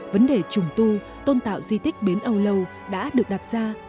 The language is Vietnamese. vấn đề trùng tu tôn tạo di tích bến âu lâu đã được đặt ra